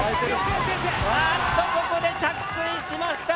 ああっとここで着水しました。